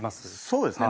そうですね。